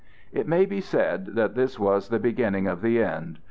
It may be said that this was the beginning of the end.